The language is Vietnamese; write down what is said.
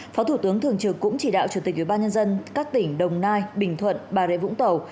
phó thủ tướng thường trực cũng chỉ đạo chủ tịch ubnd các tỉnh đồng nai bình thuận bà rịa vũng tàu